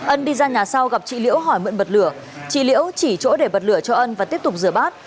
ân đi ra nhà sau gặp chị liễu hỏi mượn bật lửa chị liễu chỉ chỗ để bật lửa cho ân và tiếp tục rửa bát